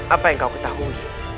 apa yang kau ketahui